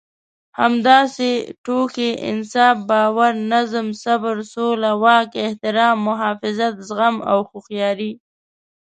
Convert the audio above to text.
همداسې ټوکې، انصاف، باور، نظم، صبر، سوله، واک، احترام، محافظت، زغم او هوښياري.